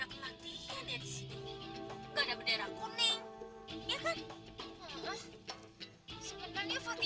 awal kita masuk kok gak ada tanda tanda kematian ya di sini